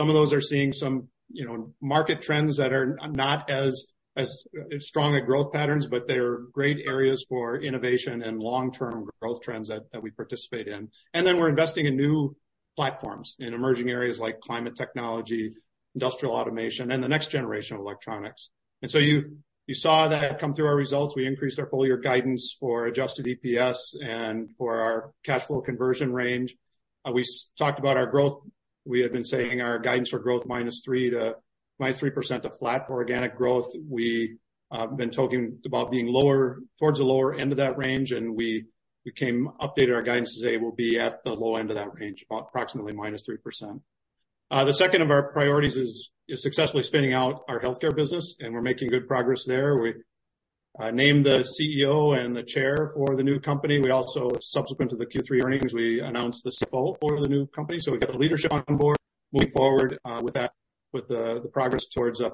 Some of those are seeing some, you know, market trends that are not as strong a growth patterns, but they are great areas for innovation and long-term growth trends that we participate in. Then we're investing in new platforms in emerging areas like climate technology, industrial automation, and the next generation of electronics. So you saw that come through our results. We increased our full year guidance for Adjusted EPS and for our cash flow conversion range. We talked about our growth. We had been saying our guidance for growth -3% to flat for organic growth. We have been talking about being lower, towards the lower end of that range, and we updated our guidance today; we'll be at the low end of that range, approximately -3%. The second of our priorities is successfully spinning out our healthcare business, and we're making good progress there. We named the CEO and the Chair for the new company. We also, subsequent to the Q3 earnings, we announced the CFO for the new company. So we've got the leadership on board moving forward with that, with the progress towards, you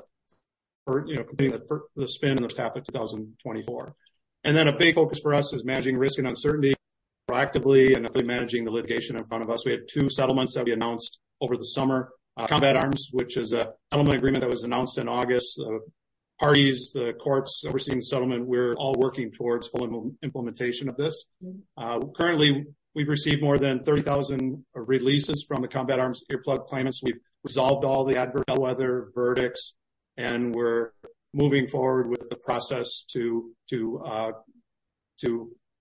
know, completing the spin in the first half of 2024. And then a big focus for us is managing risk and uncertainty proactively and effectively managing the litigation in front of us. We had two settlements that we announced over the summer. Combat Arms, which is a settlement agreement that was announced in August. The parties, the courts overseeing the settlement, we're all working towards full implementation of this. Currently, we've received more than 30,000 releases from the Combat Arms earplug claimants. We've resolved all the adverse weather verdicts, and we're moving forward with the process to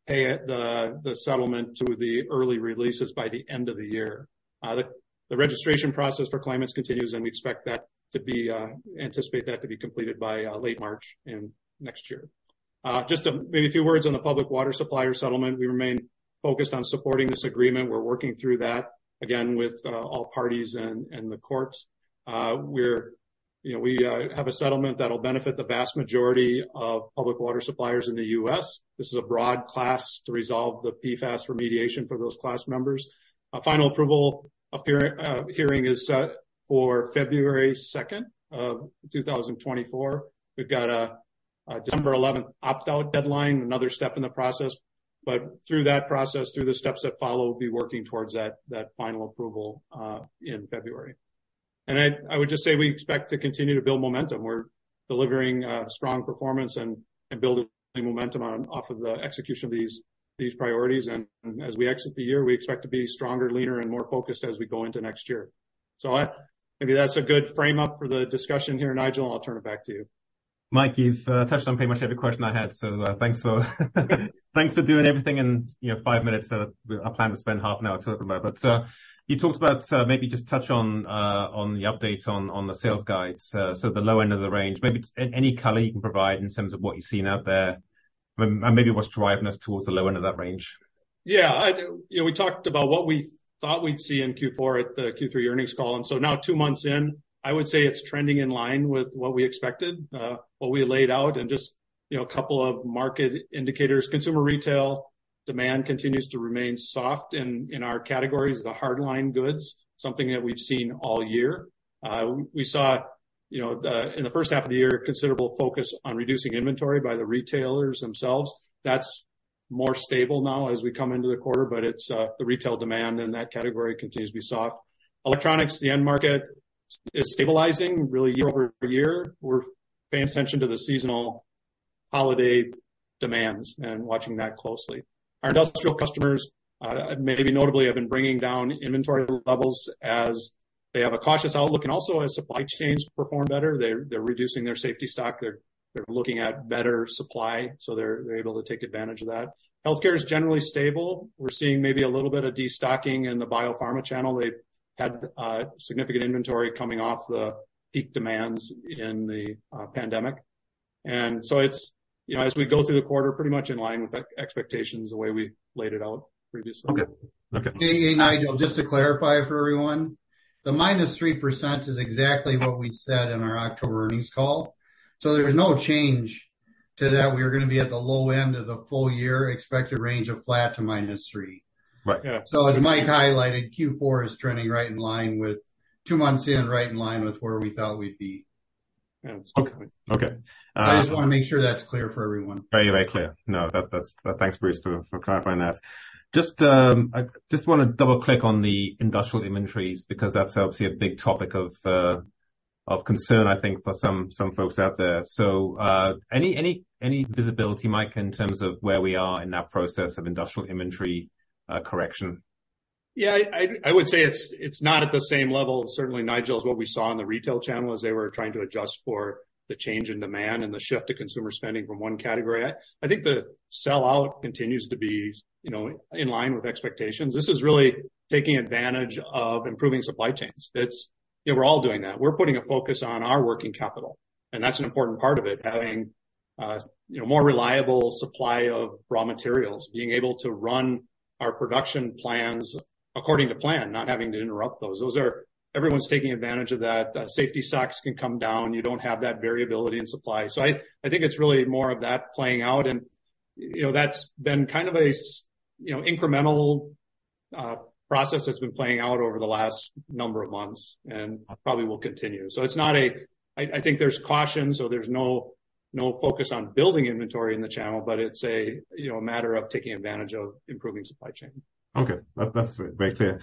pay the settlement to the early releases by the end of the year. The registration process for claimants continues, and we expect that to be, anticipate that to be completed by late March in next year. Just maybe a few words on the public water supplier settlement. We remain focused on supporting this agreement. We're working through that, again, with all parties and the courts. We're... You know, we have a settlement that will benefit the vast majority of public water suppliers in the US. This is a broad class to resolve the PFAS remediation for those class members. A final approval hearing is set for February 2, 2024. We've got a December 11 opt-out deadline, another step in the process, but through that process, through the steps that follow, we'll be working towards that final approval in February. And then I would just say we expect to continue to build momentum. We're delivering strong performance and building momentum off of the execution of these priorities, and as we exit the year, we expect to be stronger, leaner, and more focused as we go into next year. So maybe that's a good frame up for the discussion here, Nigel. I'll turn it back to you. Mike, you've touched on pretty much every question I had, so, thanks for doing everything in, you know, five minutes that I planned to spend half an hour talking about. But, you talked about, maybe just touch on the updates on the sales guides, so the low end of the range. Maybe any color you can provide in terms of what you're seeing out there, and maybe what's driving us towards the low end of that range. Yeah, you know, we talked about what we thought we'd see in Q4 at the Q3 earnings call, and so now two months in, I would say it's trending in line with what we expected, what we laid out. And just, you know, a couple of market indicators. Consumer retail demand continues to remain soft in our categories, the hardline goods, something that we've seen all year. We saw, you know, in the first half of the year, considerable focus on reducing inventory by the retailers themselves. That's more stable now as we come into the quarter, but it's the retail demand in that category continues to be soft. Electronics, the end market is stabilizing really year over year. We're paying attention to the seasonal holiday demands and watching that closely. Our industrial customers, maybe notably, have been bringing down inventory levels as they have a cautious outlook and also as supply chains perform better, they're reducing their safety stock. They're looking at better supply, so they're able to take advantage of that. Healthcare is generally stable. We're seeing maybe a little bit of destocking in the biopharma channel. They've had significant inventory coming off the peak demands in the pandemic. And so it's, you know, as we go through the quarter, pretty much in line with expectations, the way we laid it out previously. Okay. Okay. Hey, Nigel, just to clarify for everyone, the -3% is exactly what we said in our October earnings call. So there's no change to that. We are gonna be at the low end of the full year expected range of flat to -3%. Right. Yeah. As Mike highlighted, Q4 is trending right in line with two months in, right in line with where we thought we'd be. Yeah, that's correct. Okay, okay, I just want to make sure that's clear for everyone. Very, very clear. No, that's... Thanks, Bruce, for clarifying that. Just, I just want to double-click on the industrial inventories, because that's obviously a big topic of concern, I think, for some folks out there. So, any visibility, Mike, in terms of where we are in that process of industrial inventory correction? Yeah, I would say it's not at the same level. Certainly, Nigel, is what we saw in the retail channel as they were trying to adjust for the change in demand and the shift to consumer spending from one category. I think the sellout continues to be, you know, in line with expectations. This is really taking advantage of improving supply chains. It's... Yeah, we're all doing that. We're putting a focus on our working capital, and that's an important part of it, having, you know, more reliable supply of raw materials, being able to run our production plans according to plan, not having to interrupt those. Those are, everyone's taking advantage of that. Safety stocks can come down. You don't have that variability in supply. So I think it's really more of that playing out, and, you know, that's been kind of a you know, incremental process that's been playing out over the last number of months, and probably will continue. So it's not a... I think there's caution, so there's no... no focus on building inventory in the channel, but it's a, you know, matter of taking advantage of improving supply chain. Okay, that's very clear.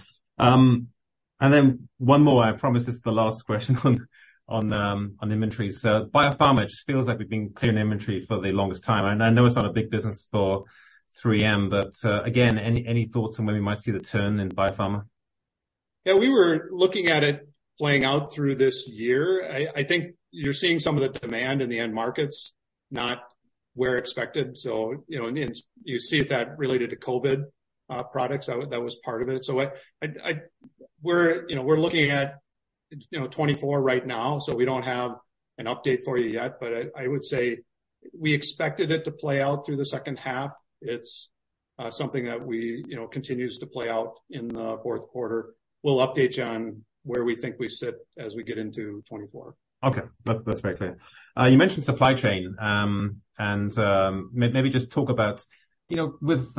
And then one more. I promise this is the last question on inventory. So biopharma, it just feels like we've been clear in inventory for the longest time, and I know it's not a big business for 3M, but again, any thoughts on when we might see the turn in biopharma? Yeah, we were looking at it playing out through this year. I think you're seeing some of the demand in the end markets not where expected. So, you know, and you see that related to COVID products. That was part of it. So we're, you know, we're looking at, you know, 2024 right now, so we don't have an update for you yet, but I would say we expected it to play out through the second half. It's something that we, you know, continues to play out in the fourth quarter. We'll update you on where we think we sit as we get into 2024. Okay. That's, that's very clear. You mentioned supply chain, and, maybe just talk about, you know, with,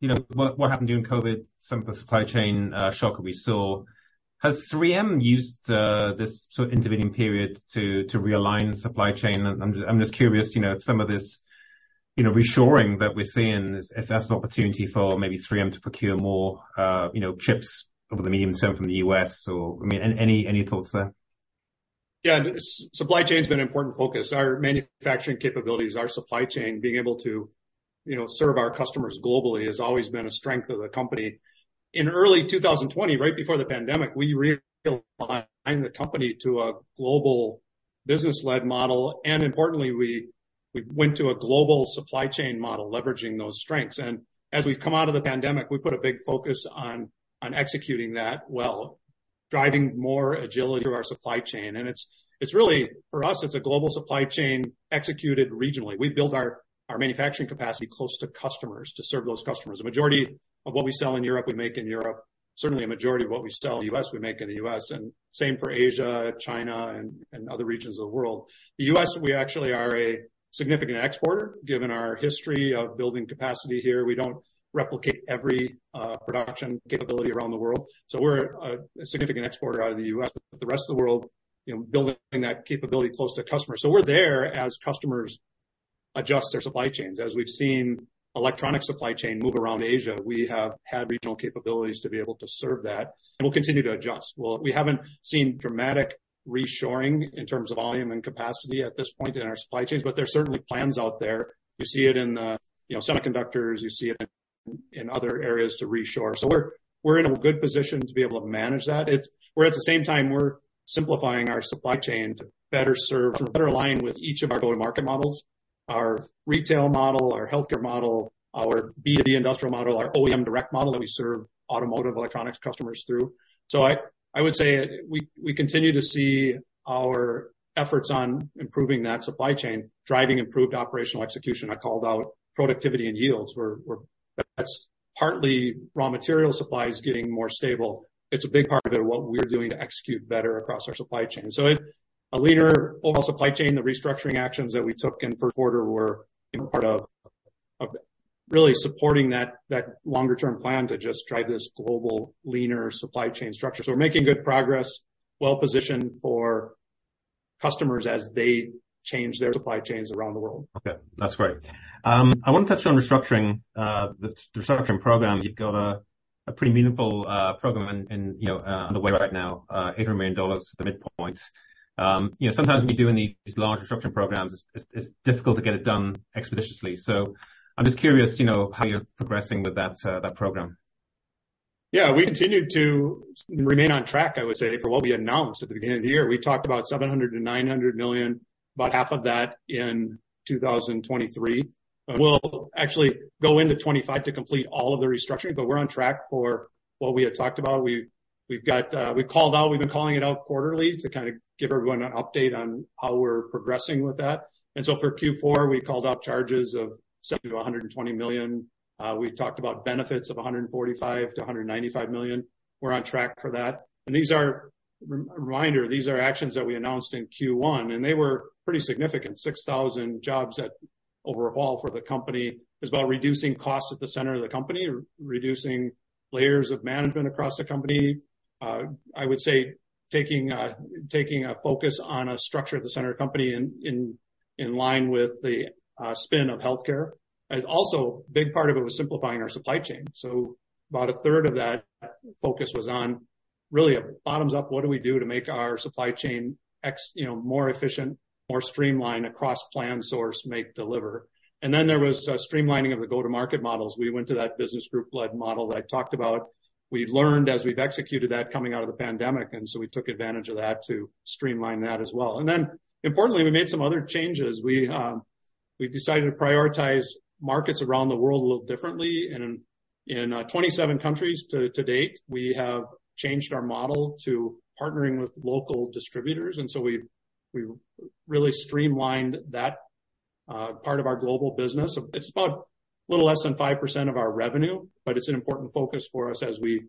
you know, what, what happened during COVID, some of the supply chain, shock that we saw. Has 3M used, this sort of intervening period to, to realign supply chain? I'm just curious, you know, if some of this, you know, reshoring that we're seeing, if that's an opportunity for maybe 3M to procure more, you know, chips over the medium term from the U.S. or, I mean, any thoughts there? Yeah. Supply chain's been an important focus. Our manufacturing capabilities, our supply chain, being able to, you know, serve our customers globally has always been a strength of the company. In early 2020, right before the pandemic, we realigned the company to a global business-led model, and importantly, we went to a global supply chain model, leveraging those strengths. And as we've come out of the pandemic, we put a big focus on executing that well, driving more agility through our supply chain. And it's really, for us, it's a global supply chain executed regionally. We build our manufacturing capacity close to customers to serve those customers. The majority of what we sell in Europe, we make in Europe. Certainly, a majority of what we sell in the US, we make in the US, and same for Asia, China, and other regions of the world. The U.S., we actually are a significant exporter, given our history of building capacity here. We don't replicate every production capability around the world. So we're a significant exporter out of the U.S. But the rest of the world, you know, building that capability close to customers. So we're there as customers adjust their supply chains. As we've seen electronic supply chain move around Asia, we have had regional capabilities to be able to serve that, and we'll continue to adjust. Well, we haven't seen dramatic reshoring in terms of volume and capacity at this point in our supply chains, but there are certainly plans out there. You see it in the, you know, semiconductors, you see it in other areas to reshore. So we're in a good position to be able to manage that. It's where, at the same time, we're simplifying our supply chain to better serve, to better align with each of our go-to-market models, our retail model, our healthcare model, our B2B industrial model, our OEM direct model that we serve automotive electronics customers through. So I would say we continue to see our efforts on improving that supply chain, driving improved operational execution. I called out productivity and yields; we're – that's partly raw material supplies getting more stable. It's a big part of it, what we're doing to execute better across our supply chain. So a leaner overall supply chain, the restructuring actions that we took in the first quarter were, you know, part of really supporting that longer-term plan to just drive this global, leaner supply chain structure. We're making good progress, well positioned for customers as they change their supply chains around the world. Okay, that's great. I want to touch on restructuring, the restructuring program. You've got a, a pretty meaningful, program in, in, you know, underway right now, $800 million at the midpoint. You know, sometimes when you're doing these large restructuring programs, it's, it's difficult to get it done expeditiously. So I'm just curious, you know, how you're progressing with that, that program. Yeah. We continued to remain on track, I would say, for what we announced at the beginning of the year. We talked about $700 million-$900 million, about half of that in 2023. We'll actually go into 2025 to complete all of the restructuring, but we're on track for what we had talked about. We've got, we've called out—we've been calling it out quarterly to kind of give everyone an update on how we're progressing with that. And so for Q4, we called out charges of $70 million-$120 million. We've talked about benefits of $145 million-$195 million. We're on track for that. And these are, reminder, these are actions that we announced in Q1, and they were pretty significant. 6,000 jobs that overall for the company is about reducing costs at the center of the company, reducing layers of management across the company. I would say, taking a focus on a structure at the center of the company in line with the spin of healthcare. And also, a big part of it was simplifying our supply chain. So about a third of that focus was on really a bottoms-up, what do we do to make our supply chain... You know, more efficient, more streamlined across plan, source, make, deliver? And then there was a streamlining of the go-to-market models. We went to that business group-led model that I talked about. We learned as we've executed that coming out of the pandemic, and so we took advantage of that to streamline that as well. And then, importantly, we made some other changes. We decided to prioritize markets around the world a little differently. And in twenty-seven countries to date, we have changed our model to partnering with local distributors, and so we've really streamlined that part of our global business. It's about a little less than 5% of our revenue, but it's an important focus for us as we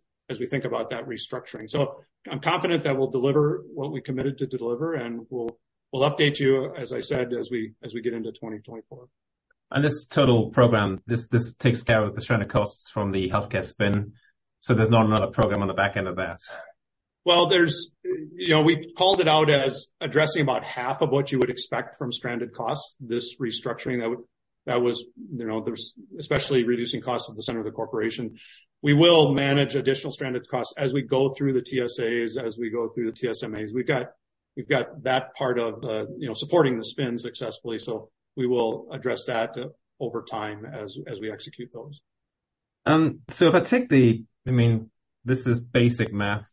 think about that restructuring. So I'm confident that we'll deliver what we committed to deliver, and we'll update you, as I said, as we get into 2024. This total program, this takes care of the stranded costs from the healthcare spin, so there's not another program on the back end of that?... Well, there's, you know, we called it out as addressing about half of what you would expect from stranded costs, this restructuring that would, that was, you know, there's especially reducing costs at the center of the corporation. We will manage additional stranded costs as we go through the TSAs, as we go through the TSMAs. We've got, we've got that part of the, you know, supporting the spin successfully, so we will address that over time as, as we execute those. So if I take the—I mean, this is basic math,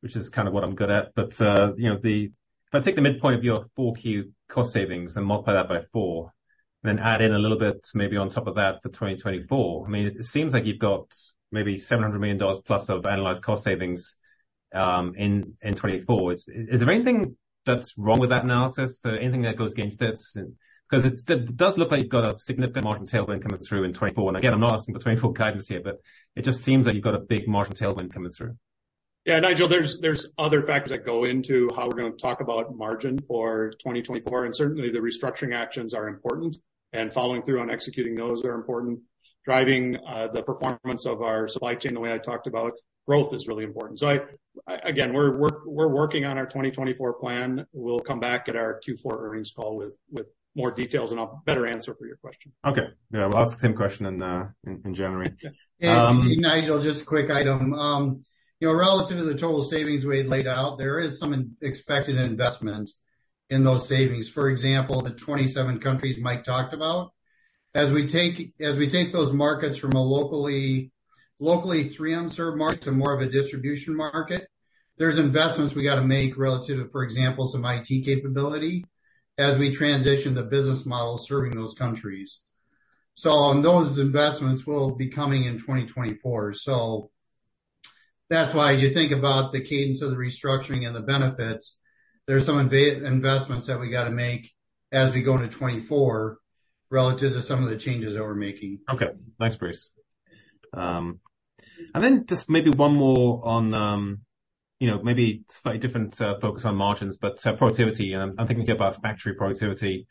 which is kind of what I'm good at. But, you know, if I take the midpoint of your 4Q cost savings and multiply that by four, then add in a little bit, maybe on top of that for 2024, I mean, it seems like you've got maybe $700 million plus of analyzed cost savings in 2024. Is there anything that's wrong with that analysis? So anything that goes against this? Because it does look like you've got a significant margin tailwind coming through in 2024. And again, I'm not asking for 2024 guidance here, but it just seems like you've got a big margin tailwind coming through. Yeah, Nigel, there's other factors that go into how we're gonna talk about margin for 2024, and certainly the restructuring actions are important, and following through on executing those are important. Driving the performance of our supply chain, the way I talked about growth, is really important. So again, we're working on our 2024 plan. We'll come back at our Q4 earnings call with more details and a better answer for your question. Okay. Yeah. I'll ask the same question in January. Yeah. Nigel, just a quick item. You know, relative to the total savings we had laid out, there is some expected investment in those savings. For example, the 27 countries Mike talked about. As we take those markets from a locally run unserved market to more of a distribution market, there's investments we got to make relative to, for example, some IT capability, as we transition the business model serving those countries. So those investments will be coming in 2024. So that's why as you think about the cadence of the restructuring and the benefits, there are some investments that we got to make as we go into 2024, relative to some of the changes that we're making. Okay. Thanks, Bruce. And then just maybe one more on, you know, maybe slightly different focus on margins, but productivity. I'm thinking about factory productivity,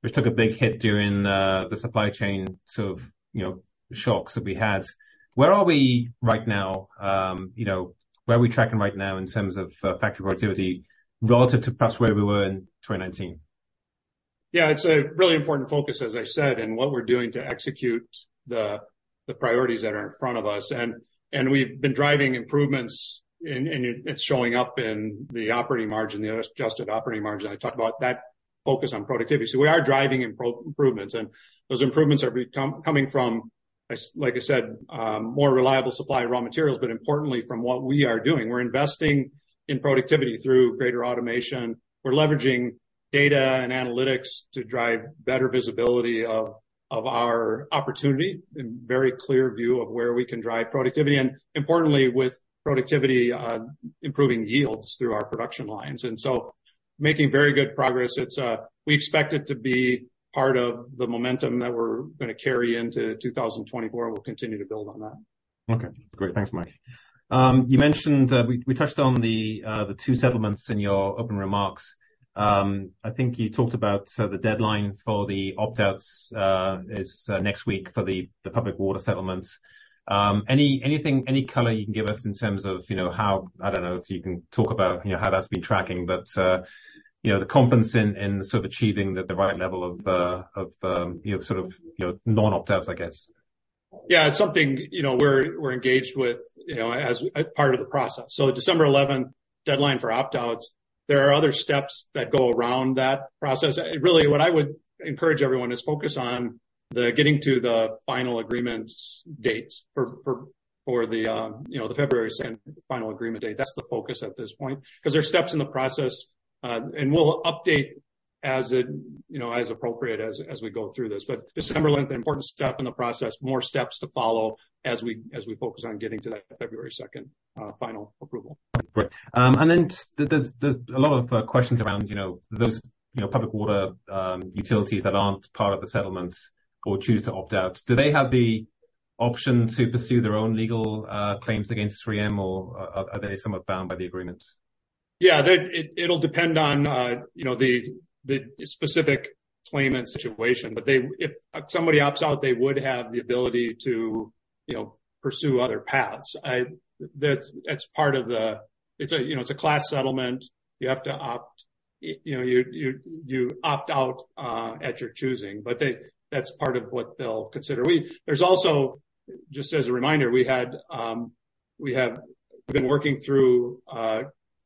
which took a big hit during the supply chain sort of, you know, shocks that we had. Where are we right now, you know, where are we tracking right now in terms of factory productivity relative to perhaps where we were in 2019? Yeah, it's a really important focus, as I said, and what we're doing to execute the priorities that are in front of us. And we've been driving improvements, and it's showing up in the operating margin, the adjusted operating margin. I talked about that focus on productivity. So we are driving improvements, and those improvements are coming from, as like I said, more reliable supply of raw materials, but importantly, from what we are doing. We're investing in productivity through greater automation. We're leveraging data and analytics to drive better visibility of our opportunity and very clear view of where we can drive productivity, and importantly, with productivity, improving yields through our production lines. And so making very good progress. It's, we expect it to be part of the momentum that we're gonna carry into 2024, and we'll continue to build on that. Okay, great. Thanks, Mike. You mentioned we touched on the two settlements in your open remarks. I think you talked about so the deadline for the opt-outs is next week for the public water settlement. Any color you can give us in terms of, you know, how... I don't know if you can talk about, you know, how that's been tracking, but, you know, the confidence in sort of achieving the right level of, you know, sort of non-opt-outs, I guess. Yeah, it's something, you know, we're engaged with, you know, as a part of the process. So December eleventh, deadline for opt-outs. There are other steps that go around that process. Really, what I would encourage everyone is to focus on getting to the final agreements dates for the February second final agreement date. That's the focus at this point, because there are steps in the process, and we'll update as it, you know, as appropriate, as we go through this. But December eleventh, important step in the process. More steps to follow as we focus on getting to that February second final approval. Great. And then there's a lot of questions around, you know, those, you know, public water utilities that aren't part of the settlement or choose to opt out. Do they have the option to pursue their own legal claims against 3M, or are they somewhat bound by the agreement? Yeah, that it'll depend on, you know, the specific claimant situation. But they, if somebody opts out, they would have the ability to, you know, pursue other paths. That's part of the. It's a, you know, it's a class settlement. You have to opt. You know, you opt out at your choosing, but that's part of what they'll consider. There's also, just as a reminder, we have been working through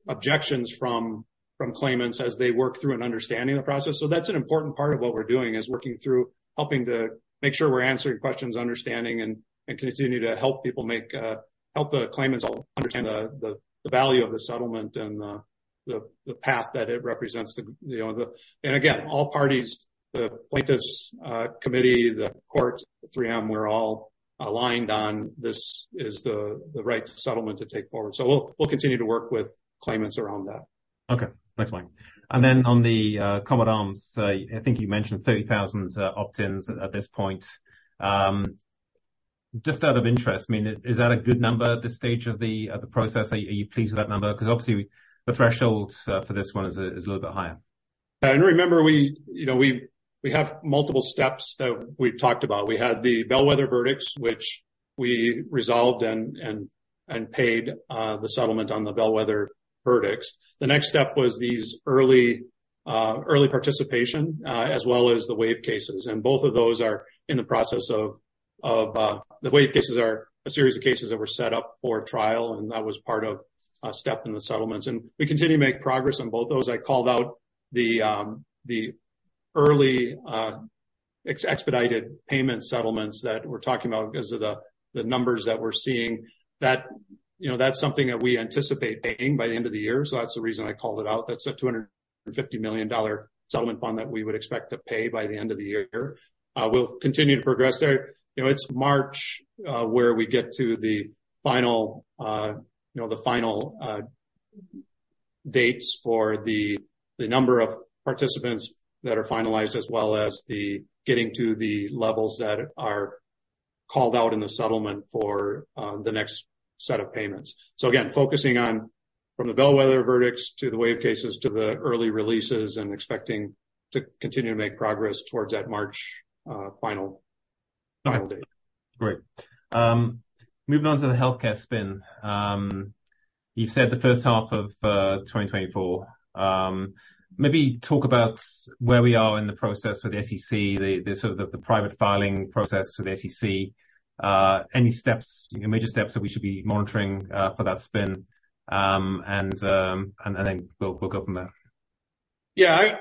objections from claimants as they work through an understanding of the process. So that's an important part of what we're doing, is working through helping to make sure we're answering questions, understanding, and continue to help people make, help the claimants understand the value of the settlement and the path that it represents, you know, the... And again, all parties, the plaintiffs, committee, the court, 3M, we're all aligned on this is the right settlement to take forward. So we'll continue to work with claimants around that. Okay, thanks, Mike. And then on the Combat Arms, I think you mentioned 30,000 opt-ins at this point. Just out of interest, I mean, is that a good number at this stage of the process? Are you pleased with that number? Because obviously, the threshold for this one is a little bit higher.... And remember, we, you know, we have multiple steps that we've talked about. We had the bellwether verdicts, which we resolved and paid the settlement on the bellwether verdicts. The next step was these early participation as well as the wave cases, and both of those are in the process of. The wave cases are a series of cases that were set up for trial, and that was part of a step in the settlements, and we continue to make progress on both those. I called out the early expedited payment settlements that we're talking about because of the numbers that we're seeing, that, you know, that's something that we anticipate paying by the end of the year. So that's the reason I called it out. That's a $250 million settlement fund that we would expect to pay by the end of the year. We'll continue to progress there. You know, it's March, where we get to the final, you know, the final, dates for the, the number of participants that are finalized, as well as the getting to the levels that are called out in the settlement for, the next set of payments. So again, focusing on from the bellwether verdicts to the wave cases to the early releases and expecting to continue to make progress towards that March, final, final date. Great. Moving on to the healthcare spin. You've said the first half of 2024. Maybe talk about where we are in the process with the SEC, the sort of the private filing process for the SEC, any steps, major steps that we should be monitoring, for that spin, and then we'll go from there. Yeah,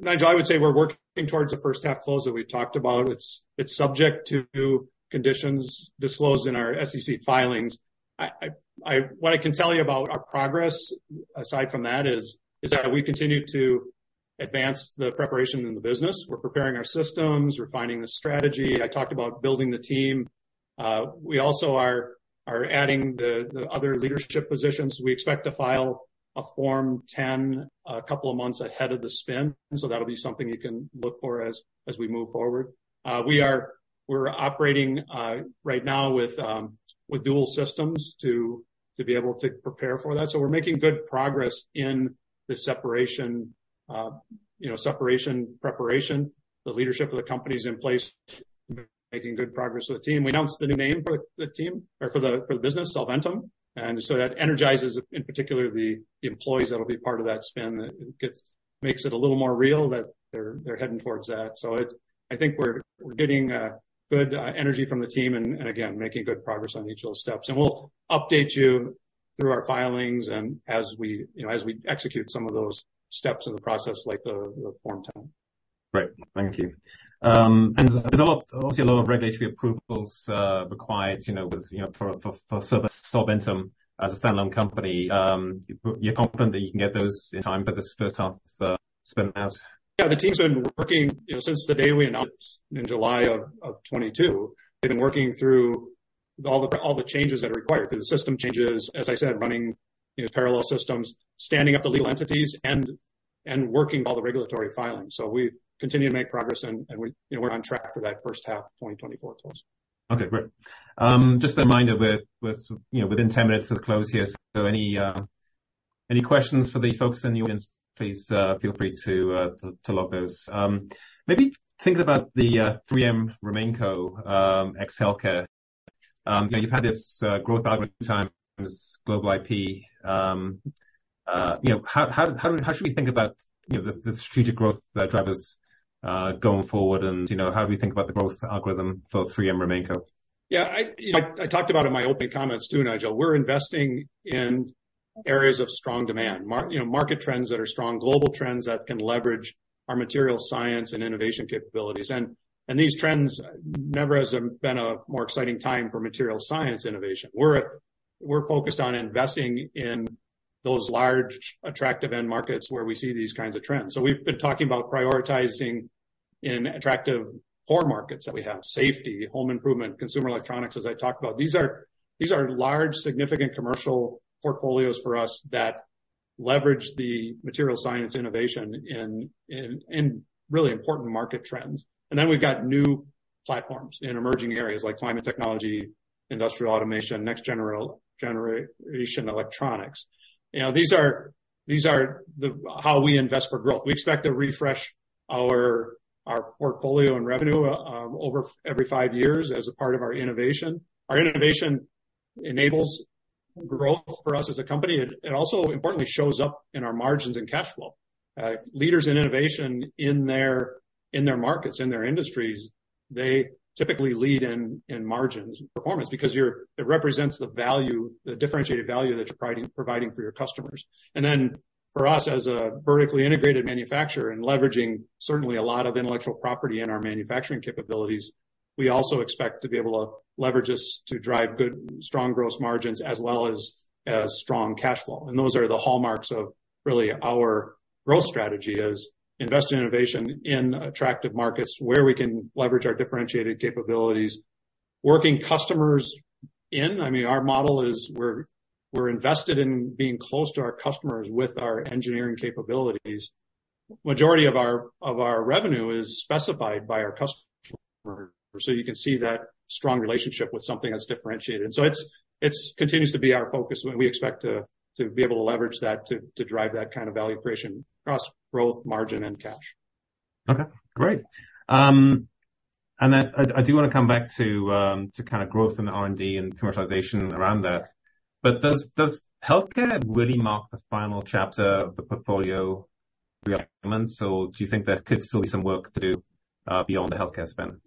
Nigel, I would say we're working towards the first half close that we've talked about. It's subject to conditions disclosed in our SEC filings. What I can tell you about our progress, aside from that, is that we continue to advance the preparation in the business. We're preparing our systems, we're refining the strategy. I talked about building the team. We also are adding the other leadership positions. We expect to file a Form 10 a couple of months ahead of the spin, so that'll be something you can look for as we move forward. We are operating right now with dual systems to be able to prepare for that. So we're making good progress in the separation, you know, separation preparation. The leadership of the company is in place, making good progress with the team. We announced the new name for the business, Solventum, and so that energizes, in particular, the employees that will be part of that spin. It makes it a little more real that they're heading towards that. So it's. I think we're getting good energy from the team and again, making good progress on each of those steps. And we'll update you through our filings and as we, you know, as we execute some of those steps in the process, like the Form 10. Great, thank you. And there's obviously a lot of regulatory approvals required, you know, with, you know, for Solventum as a standalone company. You're confident that you can get those in time for this first half spin out? Yeah, the team's been working, you know, since the day we announced in July of 2022. They've been working through all the changes that are required, the system changes, as I said, running, you know, parallel systems, standing up the legal entities and working all the regulatory filings. So we continue to make progress and we, you know, we're on track for that first half of 2024 close. Okay, great. Just a reminder, we're, you know, within 10 minutes of the close here. So any questions for the folks in the audience, please feel free to log those. Maybe think about the 3M RemainCo ex healthcare. You know, you've had this growth algorithm, this global IP, you know, how should we think about, you know, the strategic growth drivers going forward, and, you know, how do we think about the growth algorithm for 3M RemainCo? Yeah, you know, I talked about in my opening comments too, Nigel, we're investing in areas of strong demand. Market—you know, market trends that are strong, global trends that can leverage our materials science and innovation capabilities. And these trends, never has been a more exciting time for materials science innovation. We're focused on investing in those large, attractive end markets where we see these kinds of trends. So we've been talking about prioritizing in attractive core markets that we have: safety, home improvement, consumer electronics, as I talked about. These are, these are large, significant commercial portfolios for us that leverage the materials science innovation in, in, in really important market trends. And then we've got new platforms in emerging areas like climate technology, industrial automation, next generation electronics. You know, these are how we invest for growth. We expect to refresh our portfolio and revenue over every five years as a part of our innovation. Our innovation enables growth for us as a company. It also importantly shows up in our margins and cash flow. Leaders in innovation in their markets, in their industries, they typically lead in margins and performance because it represents the value, the differentiated value that you're providing for your customers. And then for us, as a vertically integrated manufacturer and leveraging certainly a lot of intellectual property in our manufacturing capabilities, we also expect to be able to leverage this to drive good, strong gross margins as well as strong cash flow. And those are the hallmarks of really our growth strategy is invest in innovation in attractive markets where we can leverage our differentiated capabilities. Working customers in, I mean, our model is we're invested in being close to our customers with our engineering capabilities. Majority of our revenue is specified by our customers, so you can see that strong relationship with something that's differentiated. So it's continues to be our focus, and we expect to be able to leverage that, to drive that kind of value creation across growth, margin, and cash. Okay, great. And then I do want to come back to kind of growth in the R&D and commercialization around that. But does healthcare really mark the final chapter of the portfolio realignment, or do you think there could still be some work to do beyond the healthcare spend?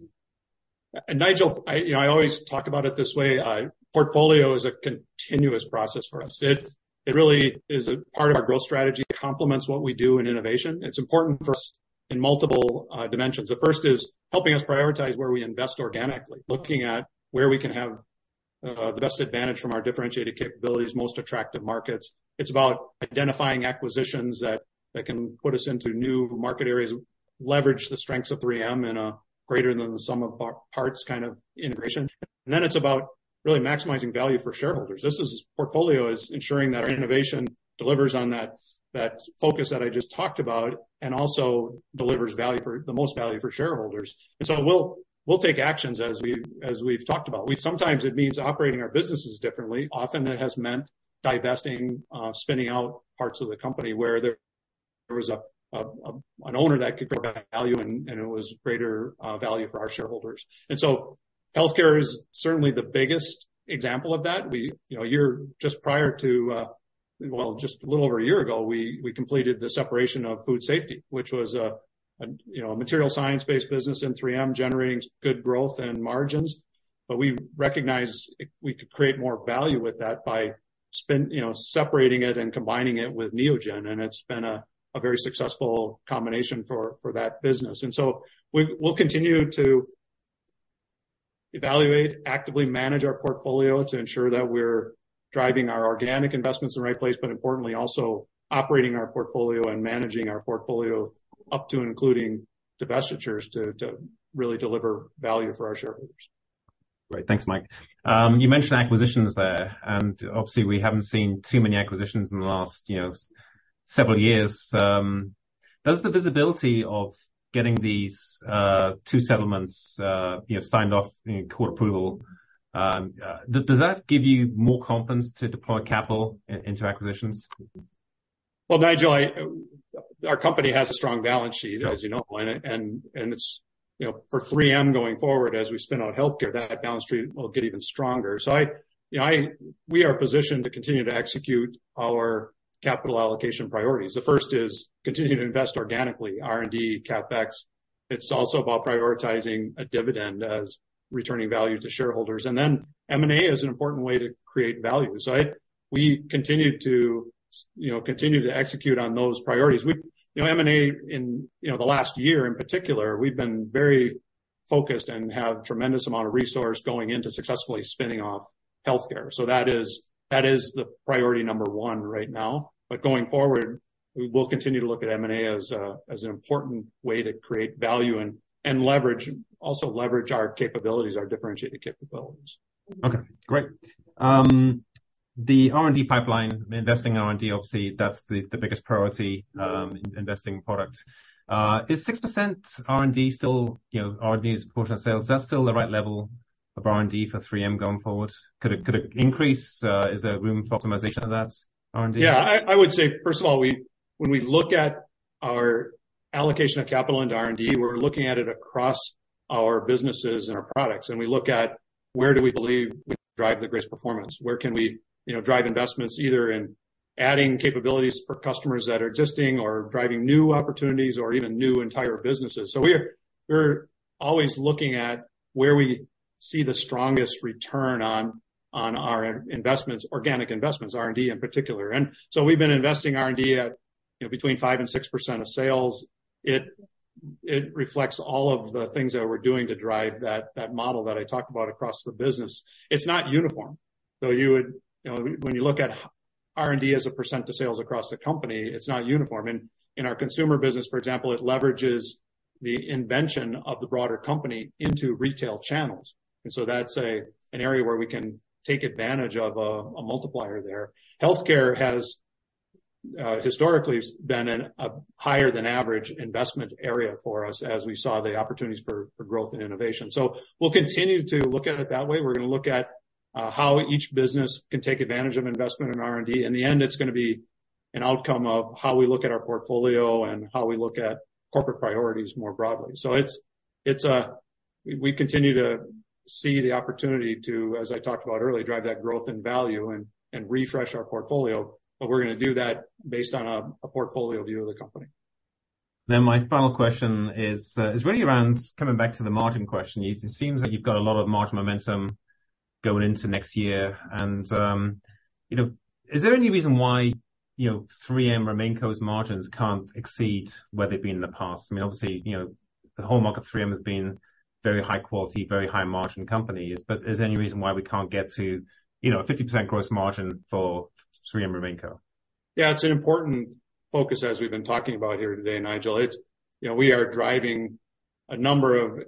Nigel, I, you know, I always talk about it this way: portfolio is a continuous process for us. It, it really is a part of our growth strategy, complements what we do in innovation. It's important for us in multiple dimensions. The first is helping us prioritize where we invest organically, looking at where we can have the best advantage from our differentiated capabilities, most attractive markets. It's about identifying acquisitions that, that can put us into new market areas, leverage the strengths of 3M in a greater than the sum of parts, kind of integration. And then it's about really maximizing value for shareholders. This is—portfolio is ensuring that our innovation delivers on that, that focus that I just talked about, and also delivers value for—the most value for shareholders. And so we'll, we'll take actions as we've, as we've talked about. We sometimes it means operating our businesses differently. Often, it has meant divesting, spinning out parts of the company where an owner that could provide value, and it was greater value for our shareholders. And so, healthcare is certainly the biggest example of that. We, you know, a year... just prior to, well, just a little over a year ago, we completed the separation of food safety, which was a, you know, a materials science-based business in 3M, generating good growth and margins. But we recognized we could create more value with that by separating it and combining it with Neogen, and it's been a very successful combination for that business. We'll continue to evaluate, actively manage our portfolio to ensure that we're driving our organic investments in the right place, but importantly, also operating our portfolio and managing our portfolio up to and including divestitures, to really deliver value for our shareholders. Great. Thanks, Mike. You mentioned acquisitions there, and obviously, we haven't seen too many acquisitions in the last, you know, several years. Does the visibility of getting these two settlements, you know, signed off in court approval, does that give you more confidence to deploy capital into acquisitions? Well, Nigel, our company has a strong balance sheet, as you know, and it's, you know, for 3M going forward, as we spend on healthcare, that balance sheet will get even stronger. So, you know, we are positioned to continue to execute our capital allocation priorities. The first is continuing to invest organically, R&D, CapEx. It's also about prioritizing a dividend as returning value to shareholders. And then M&A is an important way to create value. So we continue to, you know, continue to execute on those priorities. You know, M&A in, you know, the last year in particular, we've been very focused and have tremendous amount of resource going into successfully spinning off healthcare. So that is the priority number one right now, but going forward, we will continue to look at M&A as an important way to create value and leverage our capabilities, our differentiated capabilities. Okay, great. The R&D pipeline, investing in R&D, obviously, that's the, the biggest priority, investing in products. Is 6% R&D still, you know, R&D as a portion of sales, is that still the right level of R&D for 3M going forward? Could it, could it increase? Is there room for optimization of that R&D? Yeah. I, I would say, first of all, we, when we look at our allocation of capital into R&D, we're looking at it across our businesses and our products, and we look at where do we believe we drive the greatest performance? Where can we, you know, drive investments either in adding capabilities for customers that are existing or driving new opportunities or even new entire businesses? So we're, we're always looking at where we see the strongest return on, on our investments, organic investments, R&D in particular. And so we've been investing R&D at, you know, between 5%-6% of sales. It, it reflects all of the things that we're doing to drive that, that model that I talked about across the business. It's not uniform, so you would... You know, when you look at R&D as a % of sales across the company, it's not uniform. In our consumer business, for example, it leverages the invention of the broader company into retail channels, and so that's an area where we can take advantage of a multiplier there. Healthcare has historically been a higher than average investment area for us as we saw the opportunities for growth and innovation. So we'll continue to look at it that way. We're gonna look at how each business can take advantage of investment in R&D. In the end, it's gonna be an outcome of how we look at our portfolio and how we look at corporate priorities more broadly. So it's a we continue to see the opportunity to, as I talked about earlier, drive that growth and value and refresh our portfolio, but we're gonna do that based on a portfolio view of the company. Then my final question is really around coming back to the margin question. It seems that you've got a lot of margin momentum going into next year, and, you know, is there any reason why, you know, 3M or Main Co's margins can't exceed where they've been in the past? I mean, obviously, you know, the hallmark of 3M has been very high quality, very high margin companies, but is there any reason why we can't get to, you know, a 50% gross margin for 3M and Main Co? Yeah, it's an important focus, as we've been talking about here today, Nigel. It's... You know, we are driving a number of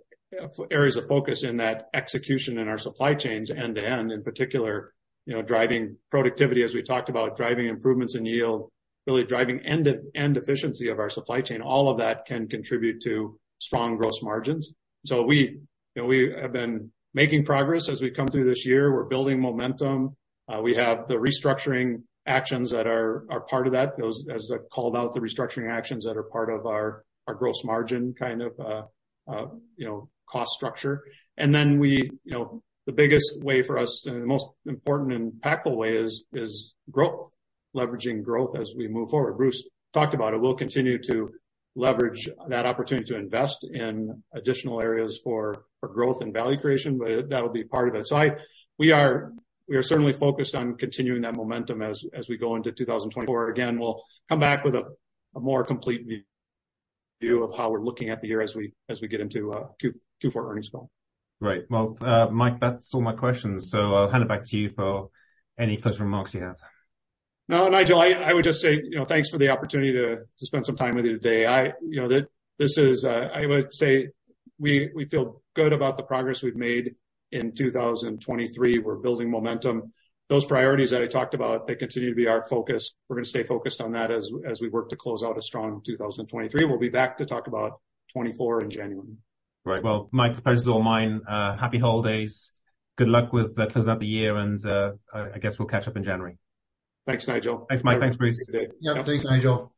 areas of focus in that execution in our supply chains, end-to-end, in particular, you know, driving productivity, as we talked about, driving improvements in yield, really driving end-to-end efficiency of our supply chain. All of that can contribute to strong gross margins. So we, you know, we have been making progress as we come through this year. We're building momentum. We have the restructuring actions that are part of that. Those, as I've called out, the restructuring actions that are part of our gross margin, kind of, you know, cost structure. And then we, you know, the biggest way for us, and the most important and impactful way is growth. Leveraging growth as we move forward. Bruce talked about it. We'll continue to leverage that opportunity to invest in additional areas for growth and value creation, but that will be part of it. So I—we are certainly focused on continuing that momentum as we go into 2024. Again, we'll come back with a more complete view of how we're looking at the year as we get into Q4 earnings call. Great. Well, Mike, that's all my questions, so I'll hand it back to you for any closing remarks you have. No, Nigel, I would just say, you know, thanks for the opportunity to spend some time with you today. You know, this is, I would say, we feel good about the progress we've made in 2023. We're building momentum. Those priorities that I talked about, they continue to be our focus. We're gonna stay focused on that as we work to close out a strong 2023. We'll be back to talk about 2024 in January. Right. Well, Mike, thanks is all mine. Happy holidays. Good luck with closing out the year, and I guess we'll catch up in January. Thanks, Nigel. Thanks, Mike. Thanks, Bruce. Yeah, thanks, Nigel.